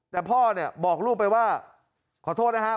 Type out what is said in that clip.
แต่พ่อเนี่ยบอกลูกไปว่าขอโทษนะครับ